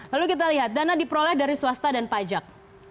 lalu kita lihat dana diperoleh dari swasta dan pajak